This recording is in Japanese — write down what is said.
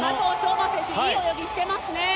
馬選手いい泳ぎしてますね。